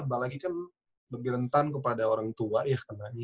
apalagi kan bergerentan kepada orang tua ya kan lagi